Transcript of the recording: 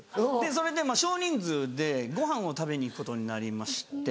それで少人数でごはんを食べに行くことになりまして。